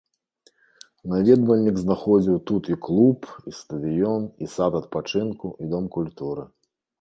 Наведвальнік знаходзіў тут і клуб, і стадыён, і сад адпачынку, і дом культуры.